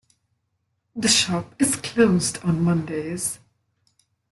The shop is closed on Mondays.